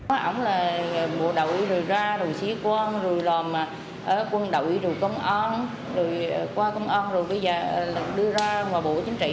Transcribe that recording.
ông là bộ đội rồi ra rồi xí quân rồi lòm ở quân đội rồi công an rồi qua công an rồi bây giờ đưa ra ngoại bộ chính trị